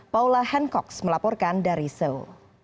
paula hancox melaporkan dari seoul